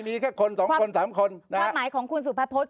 มีแค่คน๒คน๓คนนะฮะความหมายของคุณสุภาพพรส